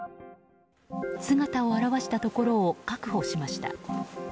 姿を現したところを確保しました。